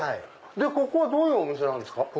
でここはどういうお店なんですか？